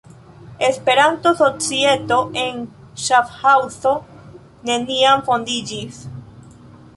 Esperanto-Societo en Ŝafhaŭzo neniam fondiĝis.